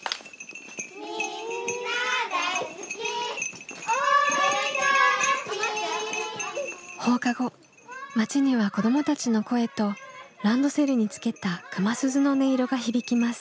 みんな大好き大森の町放課後町には子どもたちの声とランドセルにつけた熊鈴の音色が響きます。